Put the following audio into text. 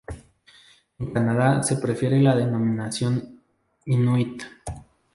En Canadá se prefiere la denominación "inuit".